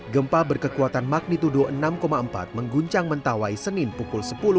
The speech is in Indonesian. gempa berkekuatan magnitudo enam empat mengguncang mentawai senin pukul sepuluh